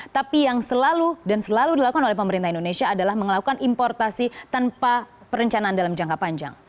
tapi yang selalu dan selalu dilakukan oleh pemerintah indonesia adalah melakukan importasi tanpa perencanaan dalam jangka panjang